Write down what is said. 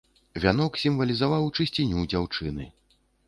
Вянок сімвалізаваў чысціню дзяўчыны.